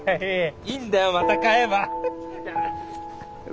いいんだよまた買えば。